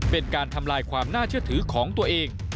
เป็นการทำลายความน่าเชื่อถือของตัวเอง